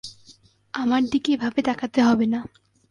আমার দিকে এভাবে তাকাতে হবে না।